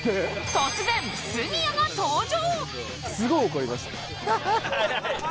突然杉谷が登場！